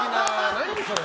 何それ。